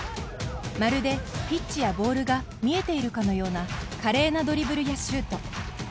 まるで、ピッチやボールが見えているかのような華麗なドリブルやシュート。